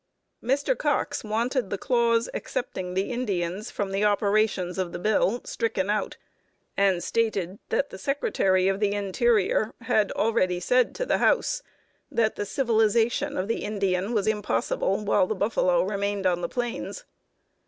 Mr. Cox wanted the clause excepting the Indians from the operations of the bill stricken out, and stated that the Secretary of the Interior had already said to the House that the civilization of the Indian was Impossible while the buffalo remained on the plains.